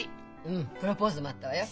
うんプロポーズもあったわよ。